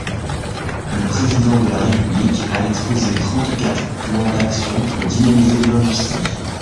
Le Président de la République a exposé trente-quatre plans d’actions pour dynamiser l’industrie.